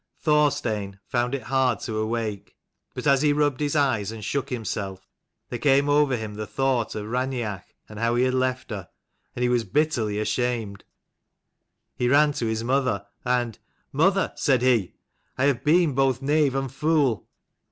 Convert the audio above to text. Thorstein found it XXVII. hard to awake; but as he SWEIN rubbed his eyes and shook BIORNSON'S himself, there carne over him HEIRS. the thought of Raineach and how he had left her: and he was bitterly ashamed. He ran to his mother, and " Mother," said he, " I have been both knave and fool."